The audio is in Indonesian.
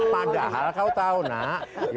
padahal kau tahu nak